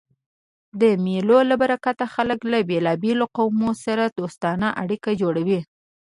د مېلو له برکته خلک له بېلابېلو قومو سره دوستانه اړيکي جوړوي.